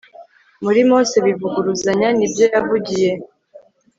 muri mose bivuguruzanya n'ibyo yavugiye